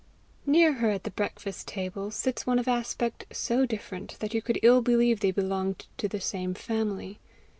Near her at the breakfast table sits one of aspect so different, that you could ill believe they belonged to the same family.